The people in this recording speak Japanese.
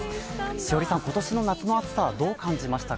栞里さん、今年の夏の暑さはどう感じました？